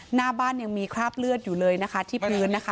หน้าบ้านยังมีคราบเลือดอยู่เลยนะคะที่พื้นนะคะ